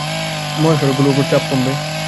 মহাসড়কগুলোর ওপর চাপ কমবে।